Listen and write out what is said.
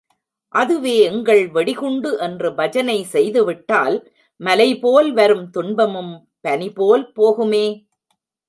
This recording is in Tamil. அதுவே எங்கள் வெடிகுண்டு என்று பஜனை செய்துவிட்டால், மலைபோல் வரும் துன்பமும் பனி போல் போகுமே!